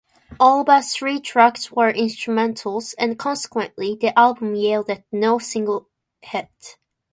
All but three tracks were instrumentals, and consequently the album yielded no hit singles.